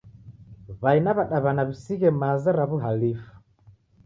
W'ai na w'adaw'ana w'isighe maza ra w'uhalifu.